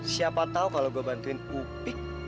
siapa tau kalau gua bantuin upik